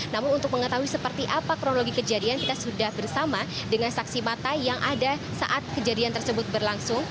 namun untuk mengetahui seperti apa kronologi kejadian kita sudah bersama dengan saksi mata yang ada saat kejadian tersebut berlangsung